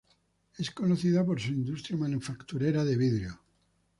Es conocida por su industria manufacturera de vidrio.